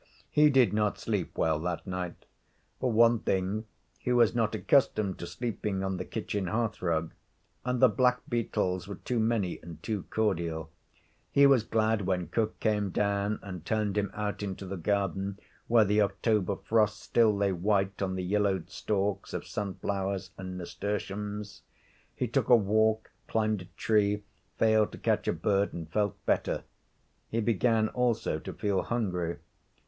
He did not sleep well that night. For one thing he was not accustomed to sleeping on the kitchen hearthrug, and the blackbeetles were too many and too cordial. He was glad when cook came down and turned him out into the garden, where the October frost still lay white on the yellowed stalks of sunflowers and nasturtiums. He took a walk, climbed a tree, failed to catch a bird, and felt better. He began also to feel hungry.